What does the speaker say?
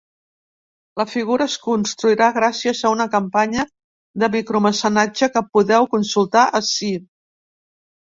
La figura es construirà gràcies a una campanya de micromecenatge, que podeu consultar ací.